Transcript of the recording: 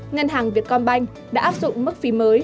ngân hàng việt con bành đã áp dụng mức phí mới